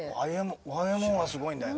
Ｙ．Ｍ．Ｏ．はすごいんだよ。